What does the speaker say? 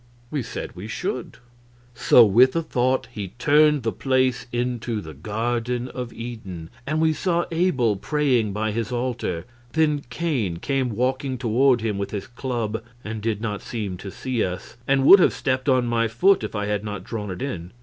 We said we should. So, with a thought, he turned the place into the Garden of Eden, and we saw Abel praying by his altar; then Cain came walking toward him with his club, and did not seem to see us, and would have stepped on my foot if I had not drawn it in.